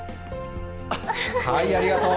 はい、ありがとう。